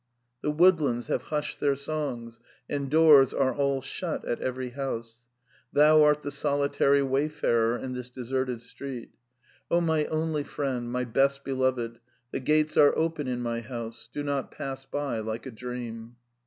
"The woodlands have hushed their songs, and doors are all shut at every house. Thou art the solitary wayfarer in this deserted street. Oh, my only friend, my best beloved, the gates are open in my house — do not pass by like a dream."